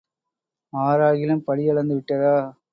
ஆராகிலும் படி அளந்து விட்டதா?